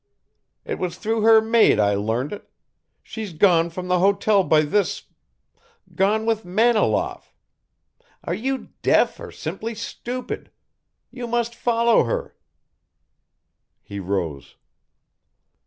It was through her maid I learned it; she's gone from the hotel by this gone with Maniloff are you deaf or simply stupid? You must follow her." He rose.